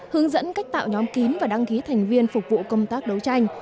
hướng dẫn cách tạo nhóm kín và đăng ký thành viên phục vụ công tác đấu tranh